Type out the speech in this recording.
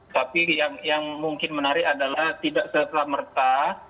tapi yang mungkin menarik adalah tidak sesama sama